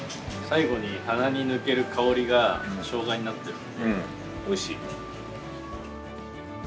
最後に鼻に抜ける香りがしょうがになってるのでおいしい。